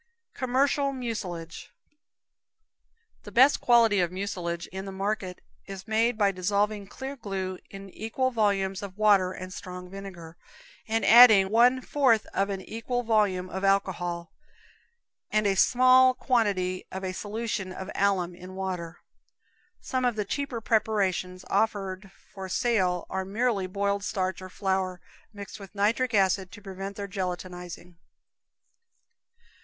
Commercial Mucilage. The best quality of mucilage in the market is made by dissolving clear glue in equal volumes of water and strong vinegar, and adding one fourth of an equal volume of alcohol, and a small quantity of a solution of alum in water. Some of the cheaper preparations offered for sale are merely boiled starch or flour, mixed with nitric acid to prevent their gelatinizing.